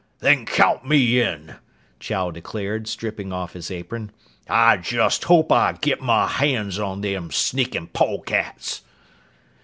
"Then count me in!" Chow declared, stripping off his apron. "I just hope I get my hands on them sneakin' polecats!"